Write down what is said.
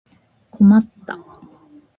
困った